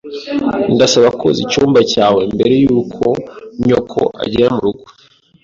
Ndasaba koza icyumba cyawe mbere yuko nyoko agera murugo.